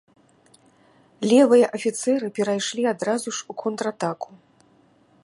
Левыя афіцэры перайшлі адразу ж у контратаку.